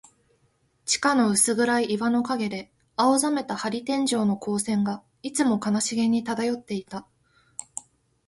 地下の薄暗い岩の影で、青ざめた玻璃天井の光線が、いつも悲しげに漂っていた。